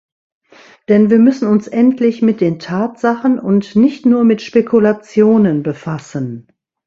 Denn wir müssen uns endlich mit den Tatsachen und nicht nur mit Spekulationen befassen.